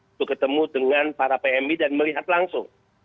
itu ketemu dengan para pmi dan melihat langsung